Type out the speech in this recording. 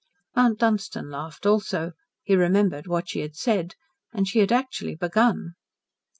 Mount Dunstan laughed also. He remembered what she had said. And she had actually begun.